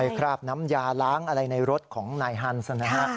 คราบน้ำยาล้างอะไรในรถของนายฮันส์นะฮะ